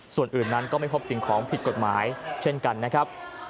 ส่วนอื่นนั้นก็ไม่พบสิ่งของผิดกฎหมายเช่นกันนะครับ